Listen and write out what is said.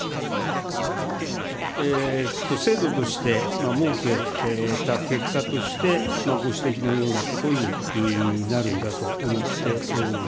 制度として設けた結果として、ご指摘のようなことになるんだと思っております。